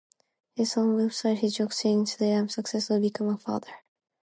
On his website he jokes saying, "Today I successfully became a father!"